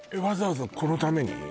わざわざこのために？